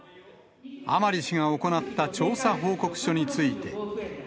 甘利氏が行った調査報告書について。